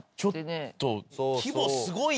ちょっと規模すごいな！